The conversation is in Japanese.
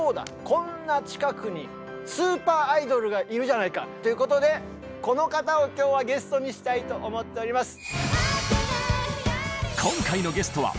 こんな近くにスーパーアイドルがいるじゃないか！ということでこの方を今日はゲストにしたいと思っております。